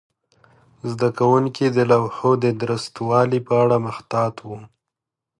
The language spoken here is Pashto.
زده کوونکي د لوحو د درستوالي په اړه محتاط وو.